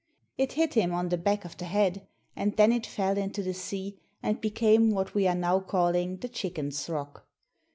It hit him on the back of the head, and then it fell into the sea and became what we are now calling the Chickens' Rock.